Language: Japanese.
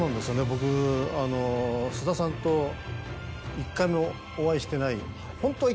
僕菅田さんと１回もお会いしてない。